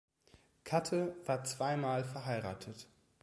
Katte war zweimal verheiratet.